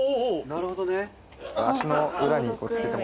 なるほどね。